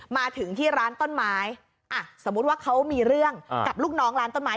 มาถึงที่ร้านต้นไม้อ่ะสมมุติว่าเขามีเรื่องกับลูกน้องร้านต้นไม้